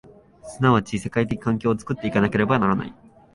即ち世界的環境を作って行かなければならない。